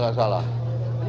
itu harapan kami